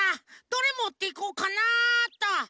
どれもっていこうかなっと。